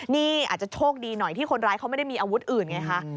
นี่อาจจะโชคดีหน่อยที่คนร้ายเขาไม่ได้มีอาวุธอื่นไงคะ